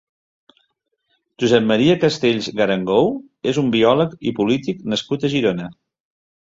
Josep Maria Castells Garangou és un biòleg i polític nascut a Girona.